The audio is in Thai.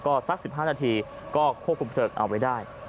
ก็สัก๑๕นาทีก็ควบคุมเพลิงเอาไว้ได้